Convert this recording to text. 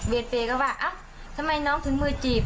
เวทเฟย์ก็บอกว่าทำไมน้องถึงมือจีบ